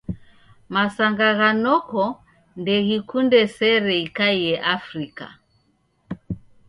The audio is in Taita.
Masanga gha noko ndeghikunde sere ikaie Afrika.